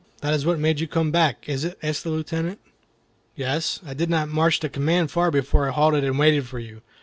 "That is what made you come back, is it?" asked the Lieutenant. "Yes; I did not march the command far before I halted and waited for you.